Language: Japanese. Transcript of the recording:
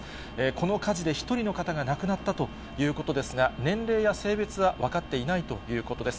この火事で１人の方が亡くなったということですが、年齢や性別は分かっていないということです。